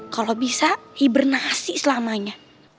kalau bisa hibernasi selamanya